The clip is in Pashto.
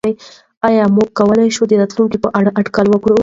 آیا موږ کولای شو د راتلونکي په اړه اټکل وکړو؟